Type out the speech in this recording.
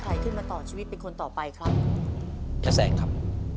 ตัวเลือกที่หนึ่งเวสป้าอาสยามครับ